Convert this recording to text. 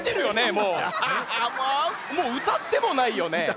もううたってもないよね？